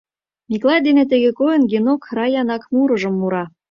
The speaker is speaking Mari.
Миклай дене тыге койын, Генок Раянак мурыжым мура.